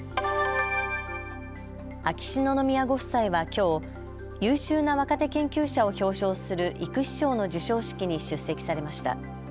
秋篠宮ご夫妻はきょう優秀な若手研究者を表彰する育志賞の授賞式に出席されました。